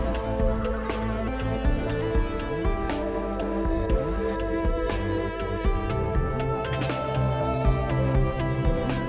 ini kan persoalan keberdian